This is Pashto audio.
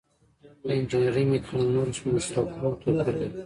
د انجنیری میتودونه له نورو مسلکونو توپیر لري.